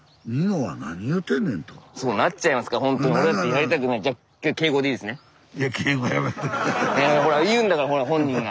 ほら言うんだからほら本人が。